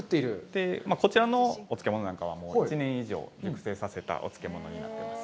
で、こちらのお漬物なんかは１年以上、熟成させたお漬物になってます。